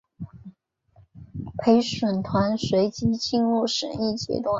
陪审团随即进入审议阶段。